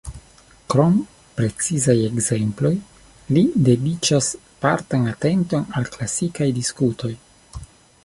Krom precizaj ekzemploj, li dediĉas partan atenton al klasikaj diskutoj.